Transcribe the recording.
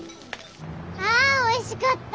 あおいしかった！